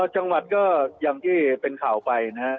จังหวัดก็อย่างที่เป็นข่าวไปนะครับ